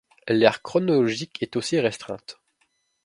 L'aire chronologique est aussi restreinte.